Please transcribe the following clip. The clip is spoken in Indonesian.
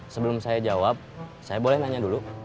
sebelum saya jawab saya boleh nanya dulu